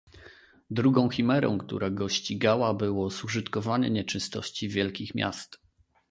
"Drugą chimerą, która go ścigała, było zużytkowanie nieczystości wielkich miast."